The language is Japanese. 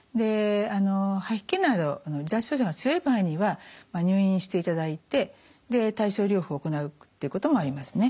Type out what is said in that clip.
吐き気など離脱症状が強い場合には入院していただいて対処療法を行うということもありますね。